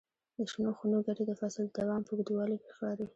د شنو خونو ګټې د فصل د دوام په اوږدوالي کې ښکاري.